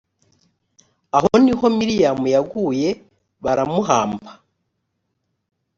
aho ni ho miriyamu yaguye, baramuhamba.